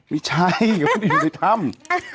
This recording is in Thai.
ไม่ใช่ก็ที่อยู่ในถ้ำ